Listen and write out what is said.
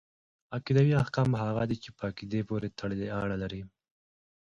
عقيدوي احکام هغه دي چي په عقيدې پوري اړه لري .